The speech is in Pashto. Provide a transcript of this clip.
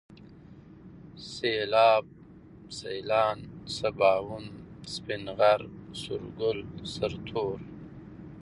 سيلاب ، سيلان ، سباوون ، سپين غر ، سورگل ، سرتور